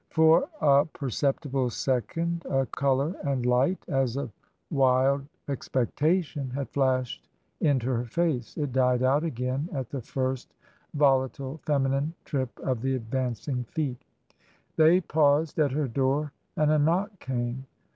For a perceptible second a colour and light as of wild TRANSITION. 79 expectation had flashed into her face ; it died out again at the first volatile feminine trip of the advancing feet They paused at her door and a knock came.